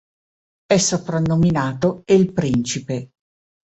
È soprannominato "El Príncipe".